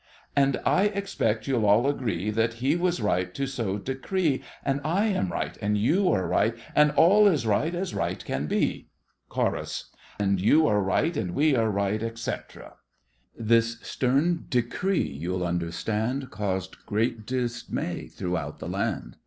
And I expect you'll all agree That he was right to so decree. And I am right, And you are right, And all is right as right can be! CHORUS. And you are right. And we are right, etc This stem decree, you'll understand, Caused great dismay throughout the land!